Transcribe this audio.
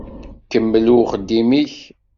Kemmel i uxeddim-ik.